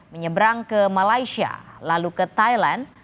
menyeberang ke malaysia lalu ke thailand